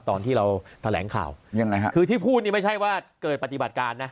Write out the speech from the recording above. ตอนที่เราแถลงข่าวยังไงฮะคือที่พูดนี่ไม่ใช่ว่าเกิดปฏิบัติการนะ